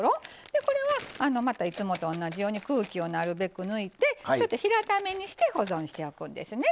でこれはまたいつもと同じように空気をなるべく抜いて平ためにして保存しておくんですね。